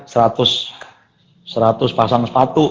seratus seratus pasang sepatu